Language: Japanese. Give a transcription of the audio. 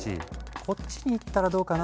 こっちに行ったらどうかな？